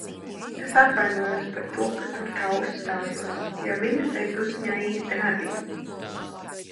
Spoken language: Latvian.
Es atvainojos par to, ka tur tā uzstājos, jo viņa tai tusiņā īsti nebija.